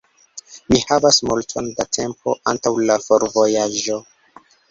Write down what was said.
Ni havas multon da tempo antaŭ la forvojaĝo.